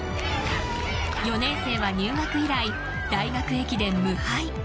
４年生は入学以来大学駅伝無敗。